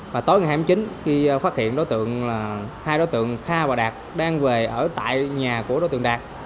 và tối ngày hai mươi chín khi phát hiện hai đối tượng kha và đạt đang về ở tại nhà của đối tượng đạt